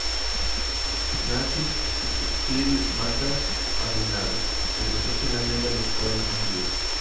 Narcís Hereu Matas, arruinado, regresó finalmente a los Estados Unidos.